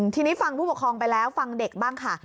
ทีนี้ฟังผู้ปกครองไปแล้วฟังเด็กบ้างค่ะ